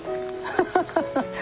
ハハハハ。